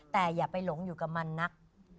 แต่อย่าไปหลงอยู่กับมันนัก